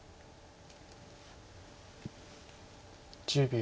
１０秒。